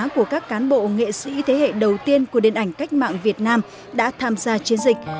của các cán bộ nghệ sĩ thế hệ đầu tiên của điện ảnh cách mạng việt nam đã tham gia chiến dịch